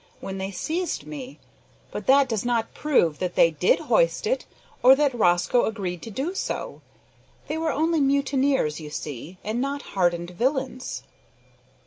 when they seized me; but that does not prove that they did hoist it, or that Rosco agreed to do so. They were only mutineers, you see, and not hardened villains."